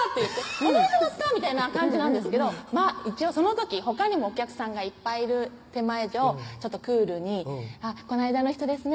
覚えてますか⁉みたいな感じなんですけどその時ほかにもお客さんがいっぱいいる手前上ちょっとクールに「こないだの人ですね」